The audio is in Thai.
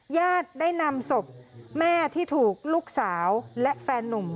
ญาติได้นำศพแม่ที่ถูกลูกสาวและแฟนนุ่ม